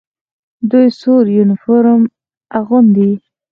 دوی سور یونیفورم اغوندي.